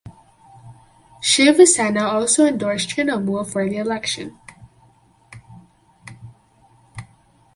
Shiv Sena also endorsed Trinamool for the election.